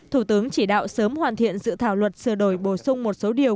thủ tướng chỉ đạo sớm hoàn thiện dự thảo luật sửa đổi bổ sung một số điều